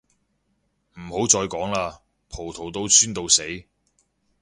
唔好再講喇，葡萄到酸到死